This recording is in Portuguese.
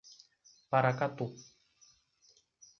Paracatu